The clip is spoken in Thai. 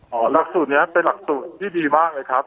หลักสูตรนี้เป็นหลักสูตรที่ดีมากเลยครับ